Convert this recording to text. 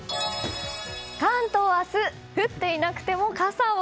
関東は明日降っていなくても傘を。